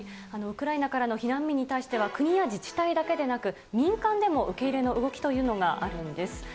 ウクライナからの避難民に対しては、国や自治体だけでなく、民間でも受け入れの動きというのがあるんです。